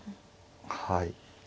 はい。